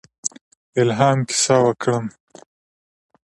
الهام کیسه وکړم.